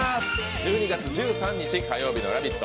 １２月１３日火曜日の「ラヴィット！」